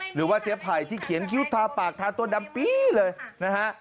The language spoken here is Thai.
หรือว่าเจ๊ไผ่ที่เขียนคิ้วทาปากทาตัวดำปี๊เลยนะฮะ